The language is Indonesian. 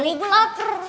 aduh gue lapar